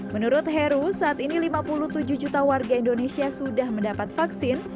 menurut heru saat ini lima puluh tujuh juta warga indonesia sudah mendapat vaksin